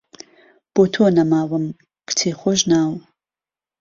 بۆ تۆ نهماوم کچێ خۆشناو